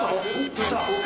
どうした？